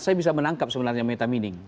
saya bisa menangkap sebenarnya meta mining